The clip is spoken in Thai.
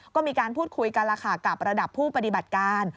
ก็มีการพูดคุยกันแล้วค่ะกับระดับผู้ปฏิบัติการ